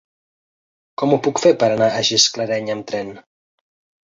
Com ho puc fer per anar a Gisclareny amb tren?